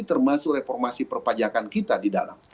termasuk reformasi perpajakan kita di dalam